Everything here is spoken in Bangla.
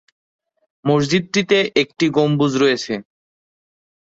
মসজিদটিতে একটি গম্বুজ রয়েছে।